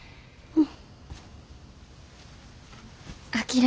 うん。